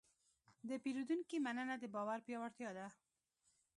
د پیرودونکي مننه د باور پیاوړتیا ده.